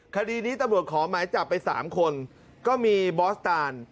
คดีนี้ตำรวจขอหมายจับไป๓คนก็มีบอสตาน